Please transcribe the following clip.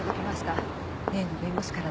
例の弁護士からです。